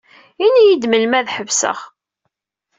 Ini-yi-d melmi ad ḥebseɣ.